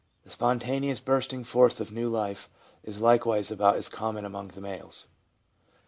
The spontaneous bursting forth of new life is likewise about as common among males.